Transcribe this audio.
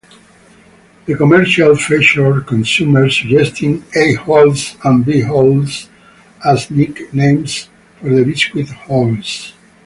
The commercial featured consumers suggesting "A-holes" and "B-holes" as nicknames for the biscuit holes.